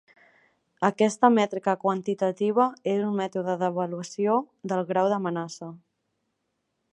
Aquesta mètrica quantitativa és un mètode d'avaluació del grau d'amenaça.